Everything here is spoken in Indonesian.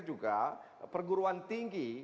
juga perguruan tinggi